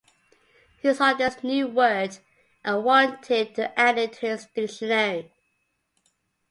He saw this new word, and wanted to add it to his dictionary.